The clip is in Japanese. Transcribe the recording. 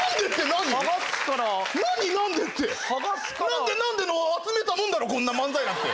「なんでなんで」の集めたもんだろこんな漫才なんて。